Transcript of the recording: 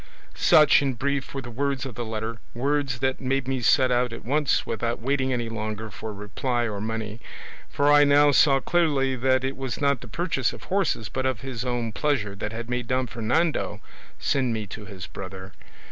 "Such, in brief, were the words of the letter, words that made me set out at once without waiting any longer for reply or money; for I now saw clearly that it was not the purchase of horses but of his own pleasure that had made Don Fernando send me to his brother.